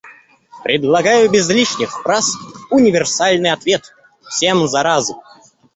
Предлагаю без лишних фраз универсальный ответ — всем зараз.